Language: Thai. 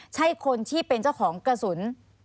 ใช่คนที่เป็นเจ้าของกระสุน